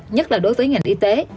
nhất là đối với ngành y tế